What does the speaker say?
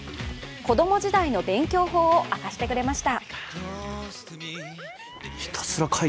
子供時代の勉強法を明かしてくれました。